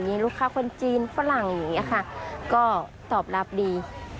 มีลูกค้าคนจีนฝรั่งอย่างนี้ค่ะก็ตอบรับดี